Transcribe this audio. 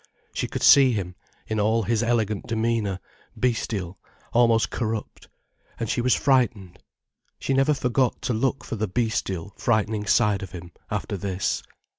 She could see him, in all his elegant demeanour, bestial, almost corrupt. And she was frightened. She never forgot to look for the bestial, frightening side of him, after this.